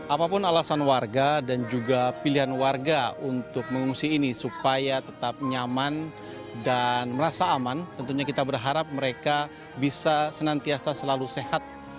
apapun alasan warga dan juga pilihan warga untuk mengungsi ini supaya tetap nyaman dan merasa aman tentunya kita berharap mereka bisa senantiasa selalu sehat